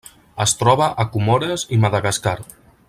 Es troba a Comores i Madagascar.